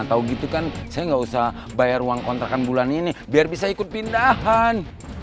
kalau gitu kan saya nggak usah bayar uang kontrakan bulan ini biar bisa ikut pindahan